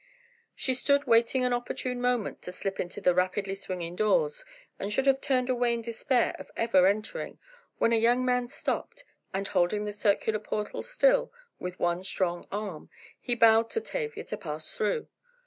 She stood waiting an opportune moment to slip into the rapidly swinging doors, and should have turned away in despair of ever entering, when a young man stopped, and holding the circular portal still, with one strong arm, he bowed to Tavia to pass through.